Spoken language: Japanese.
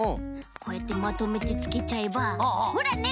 こうやってまとめてつけちゃえばほらね！